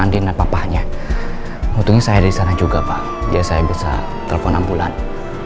andi napa papanya mutu saya di sana juga pak biar saya bisa telepon ambulans